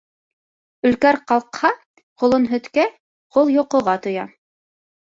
Өлкәр ҡалҡһа, ҡолон һөткә, ҡол йоҡоға туя.